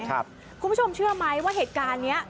คุณผู้ชมเชื่อไหมว่าเหตุการณ์นี้